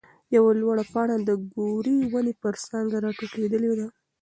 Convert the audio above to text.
يوه لوړه پاڼه د ګورې ونې پر څانګه راټوکېدلې ده.